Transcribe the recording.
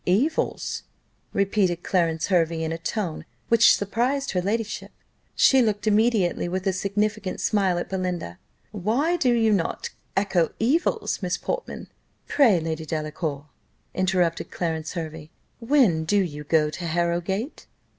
"Evils!" repeated Clarence Hervey, in a tone which surprised her ladyship. She looked immediately with a significant smile at Belinda. "Why do not you echo evils, Miss Portman?" "Pray, Lady Delacour," interrupted Clarence Hervey, "when do you go to Harrowgate?"